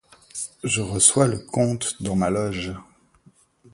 Je reçois le comte dans ma loge.